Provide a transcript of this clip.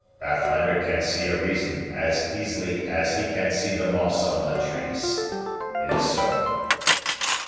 "Pathfinder can see a reason as easily as he can see the moss on the trees. It is so."